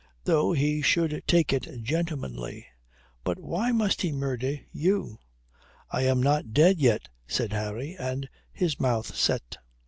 Though he should take it gentlemanly. But why must he murder you?" "I am not dead yet," said Harry, and his mouth set.